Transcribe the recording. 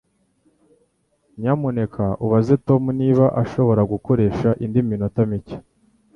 Nyamuneka ubaze Tom niba ashobora gukoresha indi minota mike.